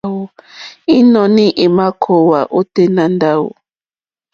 Ínɔ̀ní í mà kòòwá ôténá ndáwù.